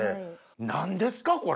何ですかこれ！